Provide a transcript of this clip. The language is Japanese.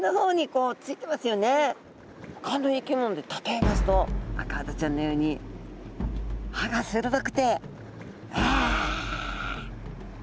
ほかの生き物で例えますとアカハタちゃんのように歯が鋭くてわわ！